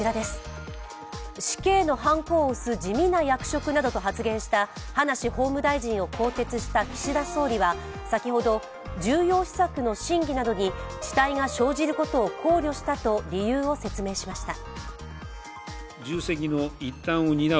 死刑のはんこを押す地味な役職などと発言した葉梨法務大臣を更迭した岸田総理は先ほど重要施策審議などに遅滞が生じることを考慮したと理由を説明しました。